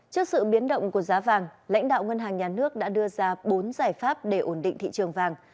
trước sự biến động của giá vàng lãnh đạo ngân hàng nhà nước đã đưa ra bốn giải pháp để ổn định thị trường vàng